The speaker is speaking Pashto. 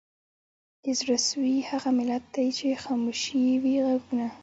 د زړه سوي هغه ملت دی چي خاموش یې وي ږغونه